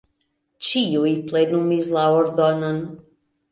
Ĉiuj plenumis la ordonon.